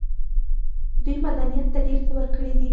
دوی مدنيت ته ډېر څه ورکړي دي.